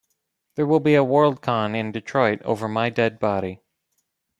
There will be a Worldcon in Detroit over my dead body.